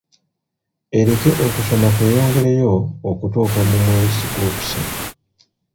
Ereke okusoma kweyongereyo okutuuka mu mwezi gwokusatu.